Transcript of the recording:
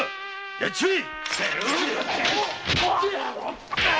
やっちまえ！